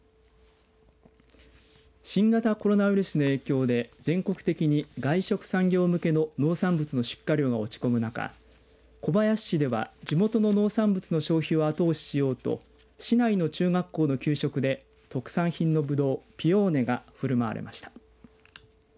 新型コロナウイルスの影響で全国的に外食産業向けの農産物の出荷量が落ち込む中小林市では地元の農産物の消費を後押ししようと市内の中学校の給食で特産品のぶどうピオーネが振る舞われました。